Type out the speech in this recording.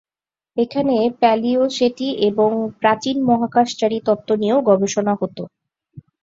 এখানে প্যালিও-সেটি এবং প্রাচীন মহাকাশচারী তত্ত্ব নিয়েও গবেষণা হতো।